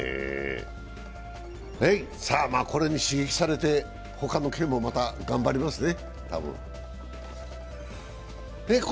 これに刺激されてほかの県もまた頑張りますね。